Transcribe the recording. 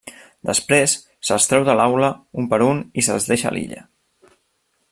Després, se'ls treu de l'aula un per un i se'ls deixa a l'illa.